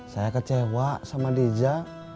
saya kecewa sama deja